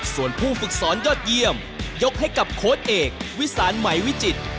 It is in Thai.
ส่วนผู้ฝึกสอนยอดเยี่ยมยกให้กับโค้ดเอกวิสานไหมวิจิตร